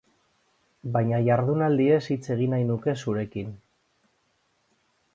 Baina jardunaldiez hitz egin nahi nuke zurekin.